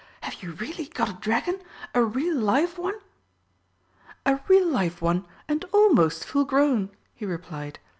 "Have you really got a dragon a real live one?" "A real live one and almost full grown," he replied.